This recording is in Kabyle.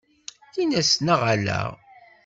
Ines neɣ ala?